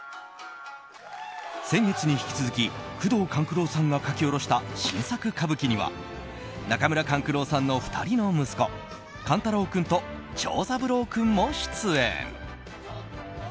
先月に引き続き宮藤官九郎さんが書き下ろした新作歌舞伎には中村勘九郎さんの２人の息子勘太郎君と長三郎君も出演。